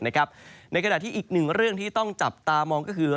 ในขณะที่อีกหนึ่งเรื่องที่ต้องจับตามองก็คือ